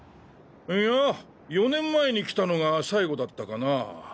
いんや４年前に来たのが最後だったかなぁ。